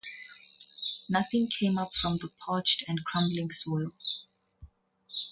Nothing came up from the parched and crumbling soil.